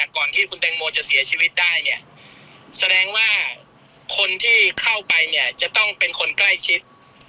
ก่อนที่คุณแตงโมจะเสียชีวิตได้เนี่ยแสดงว่าคนที่เข้าไปเนี่ยจะต้องเป็นคนใกล้ชิด